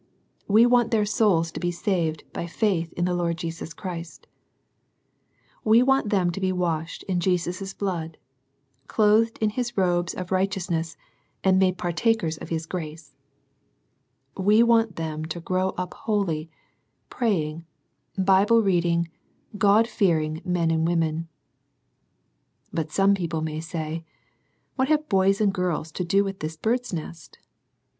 We want their souls to be saved by faith in the Lord Jesus Christ We want them to be washed in Jesus' blood, clothed in His robe of righteousness, and made partakers of His grace. We want \.\\ea!L \si ^^^ nss^X;.^^^ 96 SERMONS FOR CHILDREN. praying, Bible reading, God fearing, men and women. But some people may say, " What have boys and girls to do with this * Bird's Nest?'